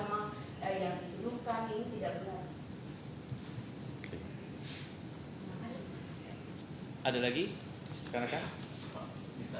ada upaya hukum atau langkah hukum yang dianggil untuk tentunya membersihkan nama pabrik itu sendiri